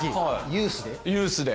ユースで。